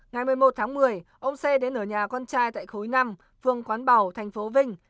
ngày một mươi một tháng một mươi ông c đến ở nhà con trai tại khối năm phương quán bảo thành phố vinh